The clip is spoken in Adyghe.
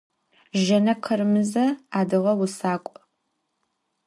Jjene Khırımıze – adıge vusak'u.